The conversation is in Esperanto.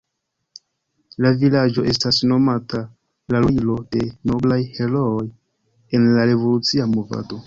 La vilaĝo estas nomata la lulilo de noblaj herooj en la revolucia movado.